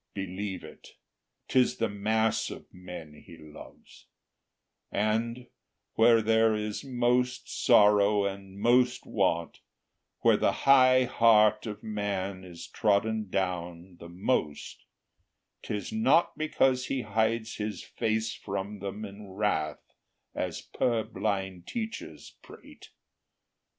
Believe it, 'tis the mass of men He loves; And, where there is most sorrow and most want, Where the high heart of man is trodden down The most, 'tis not because He hides his face From them in wrath, as purblind teachers prate.